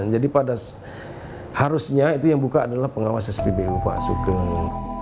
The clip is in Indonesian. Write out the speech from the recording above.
jadi pada harusnya itu yang buka adalah pengawas spbu pak sugeng